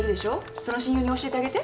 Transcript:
その親友に教えてあげて。